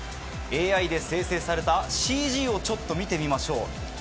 ＡＩで生成されたＣＧを見てみましょう。